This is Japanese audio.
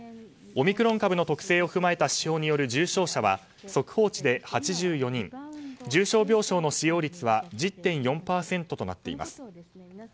オミクロン株の特性を踏まえた指標による重症者は速報値で８４人重症病床の使用率は１０．４％になっています。